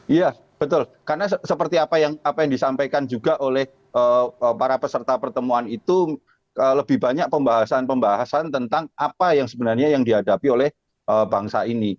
iya betul karena seperti apa yang disampaikan juga oleh para peserta pertemuan itu lebih banyak pembahasan pembahasan tentang apa yang sebenarnya yang dihadapi oleh bangsa ini